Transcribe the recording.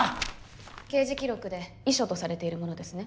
刑事記録で遺書とされているものですね？